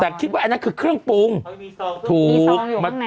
แต่คิดว่าอันนั้นคือเครื่องปรุงมีซองมีซองอยู่ข้างใน